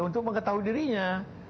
untuk mengetahui dirinya